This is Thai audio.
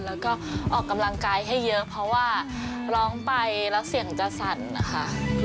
แล้วก็ออกกำลังกายให้เยอะเพราะว่าร้องไปแล้วเสียงจะสั่นนะคะ